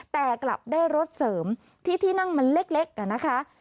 แต่กลับได้รถเสริมที่ที่นั่งมันเล็กอะนะคะ